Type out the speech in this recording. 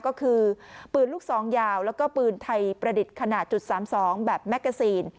ก็คือปืนลูกซองยาวแล้วก็ปืนไทยประดิษฐ์ขนาด๓๒แบบแมกกาซีน